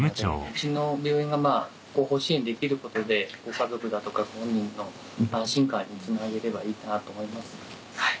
うちの病院が後方支援できることでご家族だとかご本人の安心感につなげればいいかなと思います。